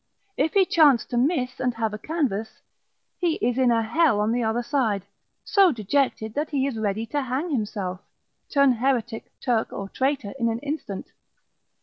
If he chance to miss, and have a canvass, he is in a hell on the other side; so dejected, that he is ready to hang himself, turn heretic, Turk, or traitor in an instant.